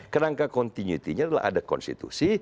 kerangka continuity nya adalah ada konstitusi